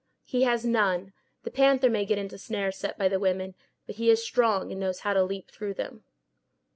"He has none. The panther may get into snares set by the women; but he is strong, and knows how to leap through them."